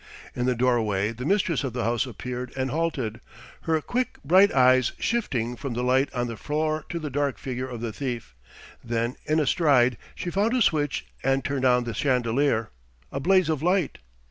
In the doorway the mistress of the house appeared and halted, her quick bright eyes shifting from the light on the floor to the dark figure of the thief. Then, in a stride, she found a switch and turned on the chandelier, a blaze of light.